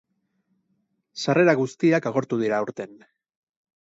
Sarrera guztiak agortu dira aurten.